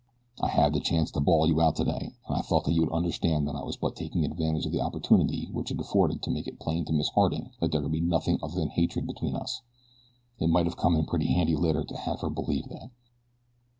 I had the chance to bawl you out today, and I thought that you would understand that I was but taking advantage of the opportunity which it afforded to make it plain to Miss Harding that there could be nothing other than hatred between us it might have come in pretty handy later to have her believe that.